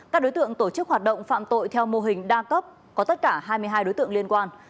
các đối tượng tổ chức hoạt động phạm tội theo mô hình đa cấp có tất cả hai mươi hai đối tượng liên quan